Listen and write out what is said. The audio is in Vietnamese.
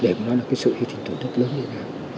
để nói là cái sự hy sinh tổn thất lớn miền nam